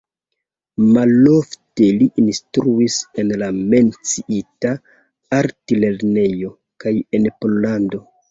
Malofte li instruis en la menciita altlernejo kaj en Pollando.